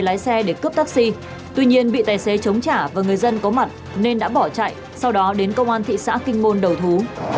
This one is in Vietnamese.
hãy đăng ký kênh để ủng hộ kênh của chúng mình nhé